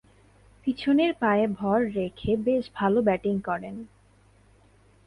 পিছনের পায়ে ভর রেখে বেশ ভালো ব্যাটিং করেন।